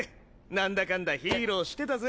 なんだかんだヒーローしてたぜ。